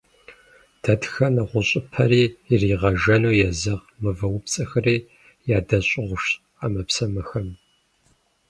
Дэтхэнэ гъущӀыпэри иригъэжану езэгъ мывэупцӀэхэри ядэщӀыгъужщ Ӏэмэпсымэхэм.